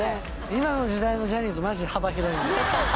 今の時代のジャニーズマジで幅広いんで。